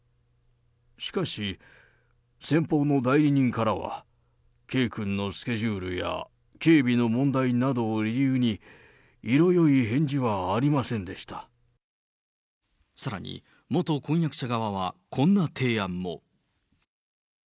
しかし、先方の代理人からは、圭君のスケジュールや警備の問題などを理由に、さらに、元婚約者側はこんな提案も。